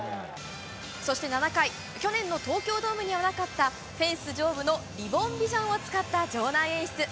そして７回去年の東京ドームにはなかったフェンス上部のリボンビジョンを使った場内演出。